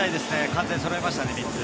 完全にそろいましたね３つ。